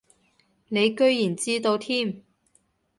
你居然知道添